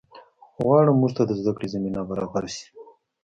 غواړم مونږ ته د زده کړې زمینه برابره شي